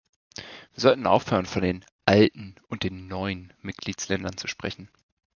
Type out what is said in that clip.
Wir sollten aufhören, von den "alten" und "neuen" Mitgliedsländern zu sprechen.